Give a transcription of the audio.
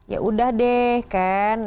ya udah deh kan